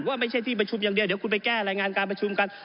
ว่าไม่ใช่ที่ประชุมอย่างเดียวเดี๋ยวคุณไปแก้รายงานการประชุมกัน